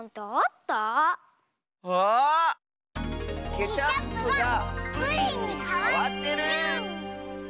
ケチャップがプリンにかわってる！ウォウ！